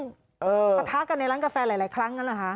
ปะทะกันในร้านกาแฟหลายครั้งนั้นเหรอคะ